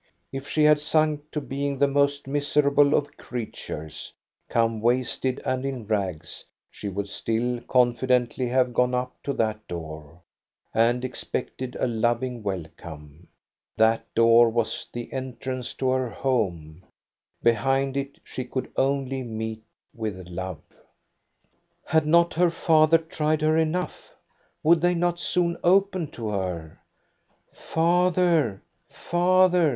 If she had sunk to being the most miserable of creatures, come wasted and in rags, she would still confidently have gone up to that door, and expected a loving welcome. That door was the entrance to her home ; behind it she could only meet with love. Had not her father tried her enough? Would they not soon open to her? " Father, father